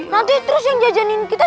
nanti terus yang jajanin kita